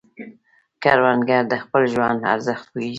کروندګر د خپل ژوند ارزښت پوهیږي